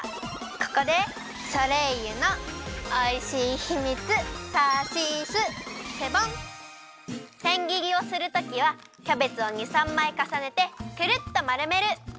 ここでソレイユのおいしいひみつせんぎりをするときはキャベツを２３まいかさねてクルッとまるめる！